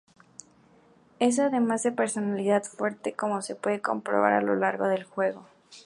Es, además, de personalidad fuerte, como se puede comprobar a lo largo del juego.